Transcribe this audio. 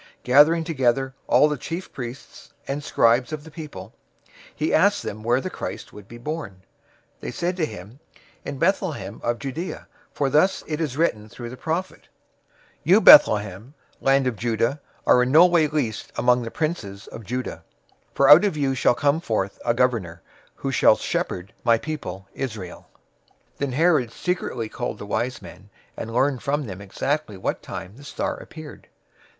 002:004 Gathering together all the chief priests and scribes of the people, he asked them where the Christ would be born. 002:005 They said to him, "In Bethlehem of Judea, for thus it is written through the prophet, 002:006 'You Bethlehem, land of Judah, are in no way least among the princes of Judah: for out of you shall come forth a governor, who shall shepherd my people, Israel.'"{Micah 5:2} 002:007 Then Herod secretly called the wise men, and learned from them exactly what time the star appeared.